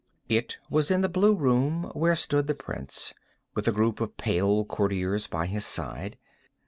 It was in the blue room where stood the prince, with a group of pale courtiers by his side.